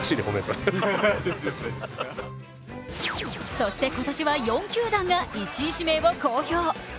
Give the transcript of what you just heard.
そして今年は４球団が１位指名を公表。